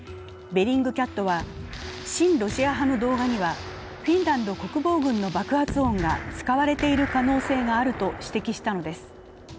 ベリングキャットは親ロシア派の動画にはフィンランド国防軍の爆発音が使われている可能性があると指摘したのです。